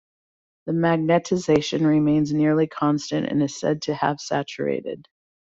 The magnetisation remains nearly constant, and is said to have saturated.